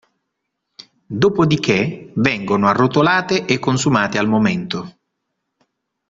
Dopodiché vengono arrotolate e consumate al momento.